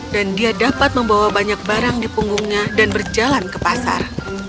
dan dia dapat membawa banyak barang di punggungnya dan berjalan ke pasar